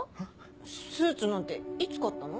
スーツなんていつ買ったの？